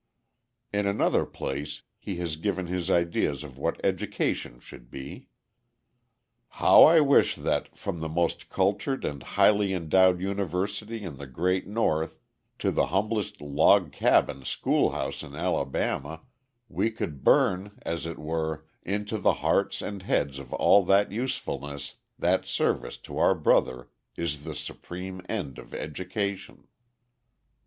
In another place he has given his ideas of what education should be: "How I wish that, from the most cultured and highly endowed university in the great North to the humblest log cabin schoolhouse in Alabama, we could burn, as it were, into the hearts and heads of all that usefulness, that service to our brother is the supreme end of education."